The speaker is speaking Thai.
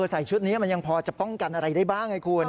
ใส่ชุดนี้มันยังพอจะป้องกันอะไรได้บ้างไงคุณ